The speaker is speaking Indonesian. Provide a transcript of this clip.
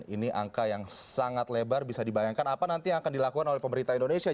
ini angka yang sangat lebar bisa dibayangkan apa nanti yang akan dilakukan oleh pemerintah indonesia